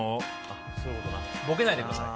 ボケないでください。